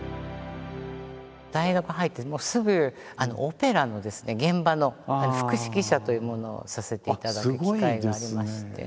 大学入ってすぐオペラの現場の副指揮者というものをさせていただく機会がありまして。